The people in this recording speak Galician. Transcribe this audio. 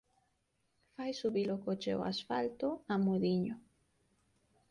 Fai subi-lo coche ó asfalto a modiño.